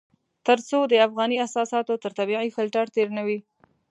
تر څو د افغاني اساساتو تر طبيعي فلټر تېر نه وي.